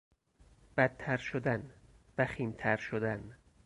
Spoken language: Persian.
بدتر شدن، وخیمتر شدن